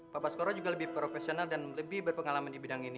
papaskoro juga lebih profesional dan lebih berpengalaman di bidang ini